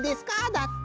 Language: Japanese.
だって。